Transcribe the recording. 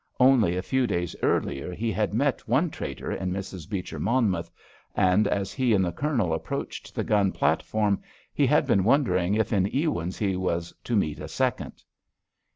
Only a few days earlier he had met one traitor in Mrs. Beecher Monmouth, and as he and the Colonel approached the gun platform he had been wondering if in Ewins he was to meet a second.